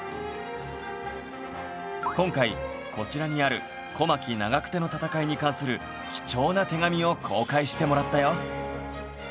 今回こちらにある小牧・長久手の戦いに関する貴重な手紙を公開してもらったよ